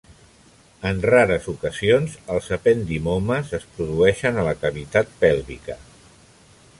En rares ocasions, els ependimomes es produeixen a la cavitat pèlvica.